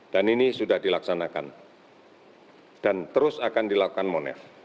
dan ini sudah dilaksanakan dan terus akan dilakukan monef